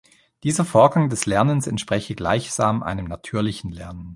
Dieser Vorgang des Lernens entspreche gleichsam einem natürlichen Lernen.